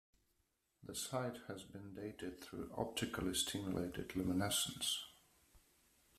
The site has been dated through optically stimulated luminescence.